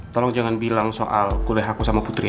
tolong jangan bilang soal kuliah aku sama putri